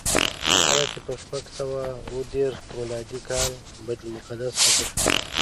کله چې په شپږ سوه اوه دېرش میلادي کال بیت المقدس فتحه شو.